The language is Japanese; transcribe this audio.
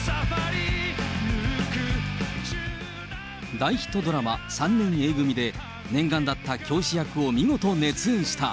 大ヒットドラマ、３年Ａ組で、念願だった教師役を見事熱演した。